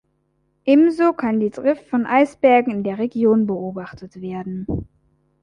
Ebenso kann die Drift von Eisbergen in der Region beobachtet werden.